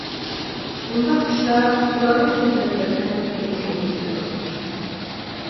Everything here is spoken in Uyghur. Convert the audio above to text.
بۇنداق ئىشلار ئۇلارنى سۆزلەپ كەلسەم بىر تېما پۈتىدۇ.